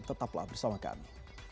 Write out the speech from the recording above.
tetaplah bersama kami